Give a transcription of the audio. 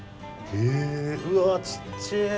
うわちっちぇ。